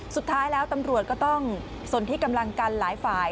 สุดท้ายแล้วตำรวจก็ต้องสนที่กำลังกันหลายฝ่าย